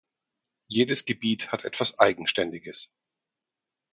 Jedes Gebiet hat etwas Eigenständiges.